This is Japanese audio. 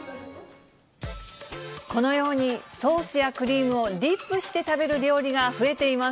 このようにソースやクリームをディップして食べる料理が増えています。